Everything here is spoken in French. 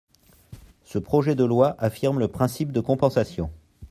Ce projet de loi affirme le principe de compensation.